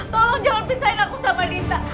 tolong jangan pisahin aku sama dita